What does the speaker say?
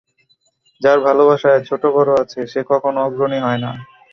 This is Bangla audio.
যার ভালবাসায় ছোট বড় আছে, সে কখনও অগ্রণী হয় না।